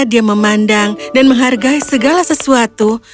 dia memandang dan menghargai segala sesuatu